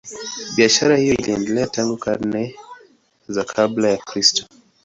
Biashara hiyo iliendelea tangu karne za kabla ya Kristo.